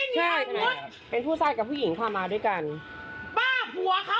อย่าเอาขี้ไปฮ่ายไม่มีใครลุมจ้า